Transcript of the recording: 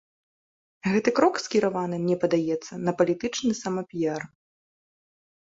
Гэты крок скіраваны, мне падаецца, на палітычны самапіяр.